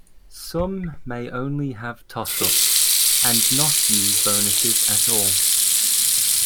Some may only have toss-ups and not use bonuses at all.